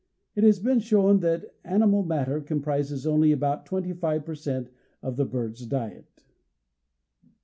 It has been shown that animal matter comprises only about twenty five per cent. of the bird's diet.